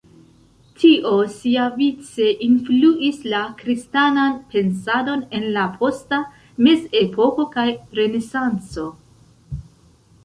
Tio siavice influis la kristanan pensadon en la posta Mezepoko kaj Renesanco.